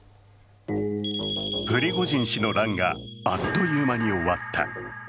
プリゴジンの乱があっという間に終わった。